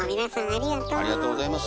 ありがとうございます。